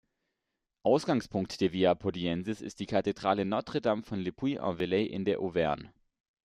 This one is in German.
Ausgangspunkt der Via Podiensis ist die Kathedrale Notre-Dame von Le Puy-en-Velay in der Auvergne.